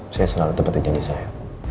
saya selalu tepatkan janji saya